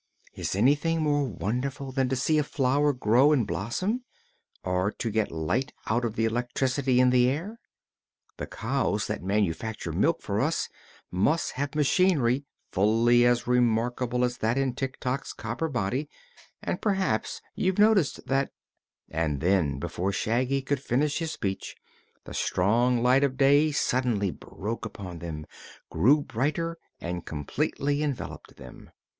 Is anything more wonderful than to see a flower grow and blossom, or to get light out of the electricity in the air? The cows that manufacture milk for us must have machinery fully as remarkable as that in Tik Tok's copper body, and perhaps you've noticed that " And then, before Shaggy could finish his speech, the strong light of day suddenly broke upon them, grew brighter, and completely enveloped them.